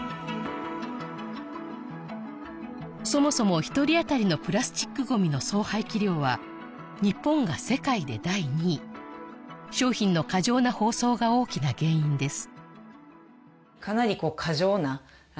そもそも１人あたりのプラスチックごみの総廃棄量は日本が世界で第２位商品の過剰な包装が大きな原因です